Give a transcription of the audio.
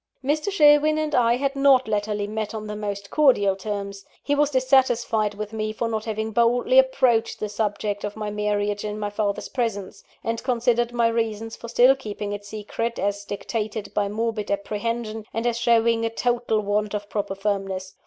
Mr. Sherwin and I had not latterly met on the most cordial terms. He was dissatisfied with me for not having boldly approached the subject of my marriage in my father's presence; and considered my reasons for still keeping it secret, as dictated by morbid apprehension, and as showing a total want of proper firmness.